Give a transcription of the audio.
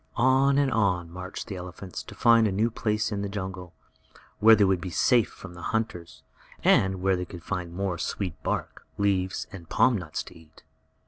On and on marched the elephants to find a new place in the jungle, where they would be safe from the hunters, and where they could find more sweet bark, leaves and palm nuts to eat.